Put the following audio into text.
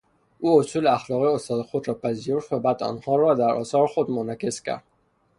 او اصول اخلاقی استاد خود را پذیرفت و بعدها در آثار خود منعکس کرد.